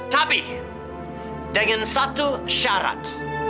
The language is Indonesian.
tapi dengan satu syarat